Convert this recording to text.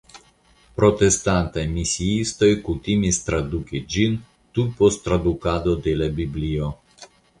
Protestantaj misiistoj kutimis traduki ĝin tuj post tradukado de la Biblio.